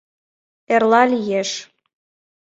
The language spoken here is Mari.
Эрла лиеш.